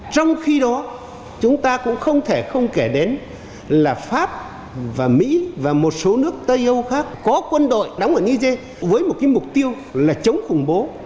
trong khi đó chúng ta cũng không thể không kể đến là pháp và mỹ và một số nước tây âu khác có quân đội đóng ở niger với một mục tiêu là chống khủng bố